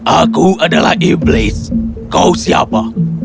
aku adalah iblis kau siapa